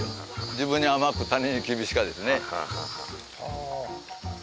自分に甘く他人に厳しかですね。